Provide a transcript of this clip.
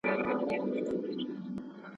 که دا بنسټ نه وای، پرمختګ به نه و شوی.